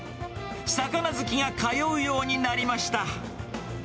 魚好きが通うようになりました。